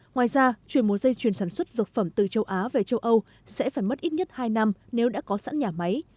ngoài ra chuyển một dây chuyền sản xuất dược phẩm từ châu á về châu âu sẽ phải mất ít nhất hai năm nếu đã có sẵn nhà máy